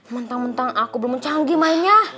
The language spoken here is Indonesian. mentang mentang aku belum canggih mainnya